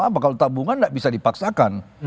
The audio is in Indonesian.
kalau tabungan gak bisa dipaksakan